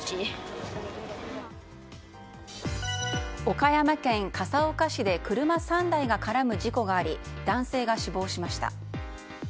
岡山県笠岡市で車３台が絡む事故があり男性が死亡しました。